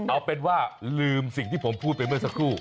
เอาเป็นว่าลืมสิ่งที่ผมพูดไปเมื่อสักครู่